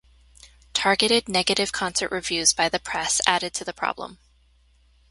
Targeted negative concert reviews by the press added to the problem.